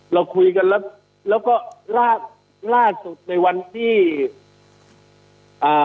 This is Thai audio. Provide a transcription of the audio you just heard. เราคุยกันแล้วแล้วก็ล่าสุดในวันที่อ่า